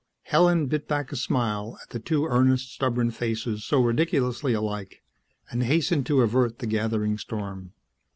Helen bit back a smile at the two earnest, stubborn faces so ridiculously alike, and hastened to avert the gathering storm.